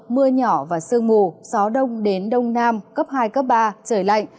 mưa nhỏ và sương mù gió đông đến đông nam cấp hai cấp ba trời lạnh